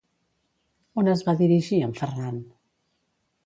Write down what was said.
On es va dirigir en Ferran?